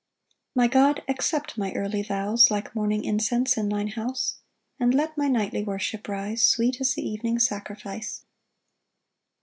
1 My God, accept my early vows, Like morning incense in thine house, And let my nightly worship rise Sweet as the evening sacrifice.